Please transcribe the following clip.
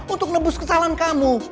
untuk nebus kesalahan kamu